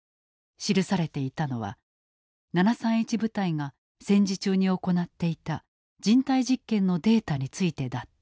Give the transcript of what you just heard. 記されていたのは７３１部隊が戦時中に行っていた人体実験のデータについてだった。